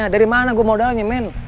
dari mana gue modalnya main